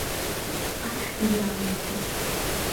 Ашә изаалыртит.